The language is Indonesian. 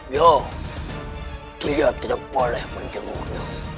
yo dia tidak boleh menjemur